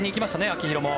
秋広も。